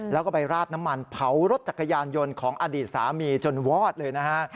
แล้วก็ไปราดน้ำมันเผารถจักรยานยนต์ของอดีตสามีจนวอดเลยนะฮะ